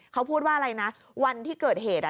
เขาพูดว่าอะไรนะวันที่เกิดเหตุ